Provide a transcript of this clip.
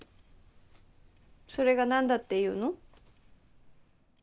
それが何だって言うの？